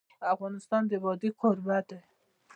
افغانستان د وادي کوربه دی.